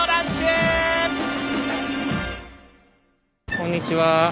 こんにちは。